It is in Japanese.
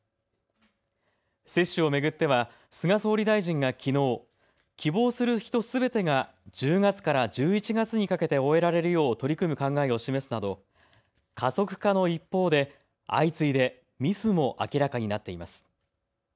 接種を巡っては菅総理大臣がきのう、希望する人すべてが１０月から１１月にかけて終えられるよう取り組む考えを示すなど加速化の一方で、相次いでミスも明らかになっています。